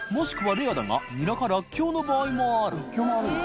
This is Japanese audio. レアだがニラからっきょうの場合もある蕕辰腓Δあるんだ。